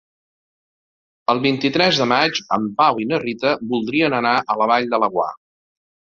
El vint-i-tres de maig en Pau i na Rita voldrien anar a la Vall de Laguar.